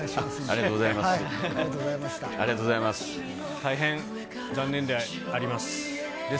大変残念であります。